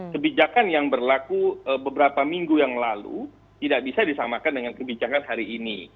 kebijakan yang berlaku beberapa minggu yang lalu tidak bisa disamakan dengan kebijakan hari ini